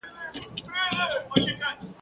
د تیارو د شیطان غرونه یو په بل پسي ړنګېږي !.